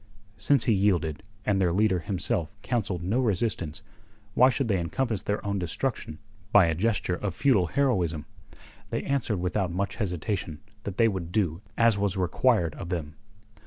Since he yielded, and their leader himself counselled no resistance, why should they encompass their own destruction by a gesture of futile heroism? They answered without much hesitation that they would do as was required of them.